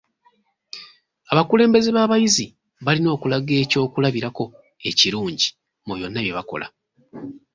Abakulembeze b'abayizi balina okulaga ekyokulabirako ekirungi mu byonna bye bakola.